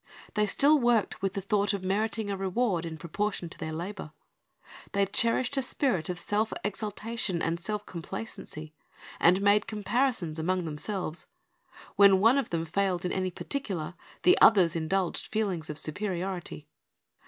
They still worked with the thought of meriting a reward in proportion to their labor. They cherished a spirit of self exaltation and self complacency, and made comparisons among themselves. When one of them failed in any particular, the others indulged feelings of superiority.